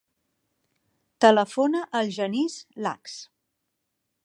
Telefona al Genís Lax.